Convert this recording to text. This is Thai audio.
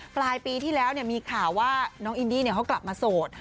ปลายปีที่แล้วมีข่าวว่าน้องอินดี้เขากลับมาโสด